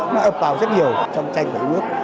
nó ập vào rất nhiều trong tranh của hiếu ước